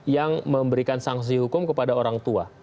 yang memberikan sanksi hukum kepada orang tua